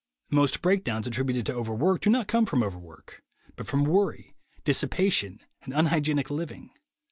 Most breakdowns attributed to overwork do not come from overwork, but from worry, dissipation and unhygienic living.